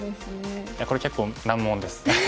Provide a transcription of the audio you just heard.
いやこれ結構難問です。